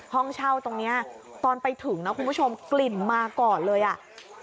ห้องเช่าตรงนี้ตอนไปถึงนะคุณผู้ชมกลิ่นมาก่อนเลยอ่ะ